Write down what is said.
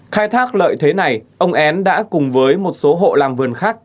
khai thác lợi thế này ông én đã cùng với một số hộ làm vườn khác